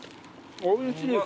おいしい。